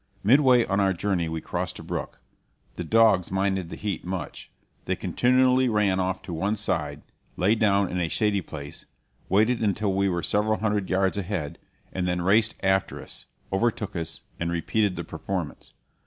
Midway on our journey we crossed a brook. The dogs minded the heat much. They continually ran off to one side, lay down in a shady place, waited until we were several hundred yards ahead, and then raced after us, overtook us, and repeated the performance.